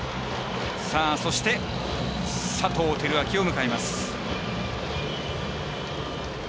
そして、佐藤輝明を迎えます。